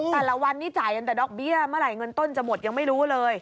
แต่ละวันนี้จ่ายตั้งแต่ดอกเบี้ยเมื่อไหร่เงินต้นจะหมดยังไม่รู้เลย